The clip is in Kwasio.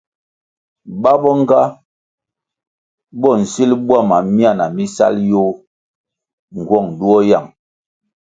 Ba bo nga bo nsil bwama myana mi sal yoh ngwong duo yang.